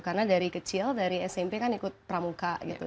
karena dari kecil dari smp kan ikut pramuka gitu